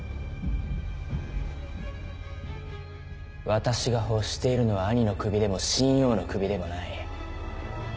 私が欲しているのは兄の首でも秦王の首でもない。